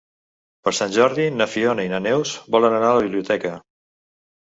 Per Sant Jordi na Fiona i na Neus volen anar a la biblioteca.